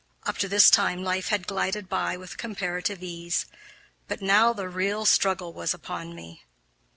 Up to this time life had glided by with comparative ease, but now the real struggle was upon me.